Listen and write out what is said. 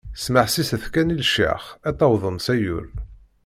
Smeḥsiset kan i lecyax ad tawḍem s ayyur!